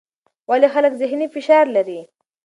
ولې خلک ذهني فشار لري؟